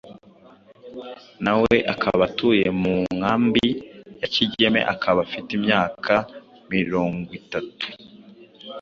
nawe akaba atuye mu nkambi ya Kigeme akaba afite imyaka mirongwitatu